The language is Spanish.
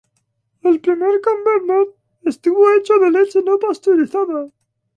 El primer camembert estuvo hecho de leche no pasteurizada.